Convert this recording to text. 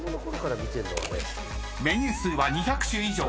［メニュー数は２００種以上。